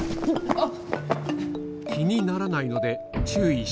あっ！